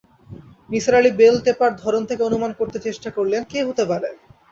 Nisar Ali bell টেপার ধরন থেকে অনুমান করতে চেষ্টা করলেন-কে হতে পারে।